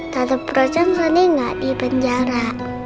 tante frozen selalu tidak di penjara